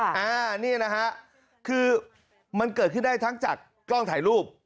อันนี้นะฮะคือมันเกิดขึ้นได้ทั้งจากกล้องถ่ายรูป